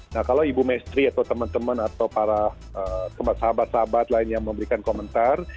nah kalau ibu mestri atau teman teman atau para sahabat sahabat lain yang memberikan komentar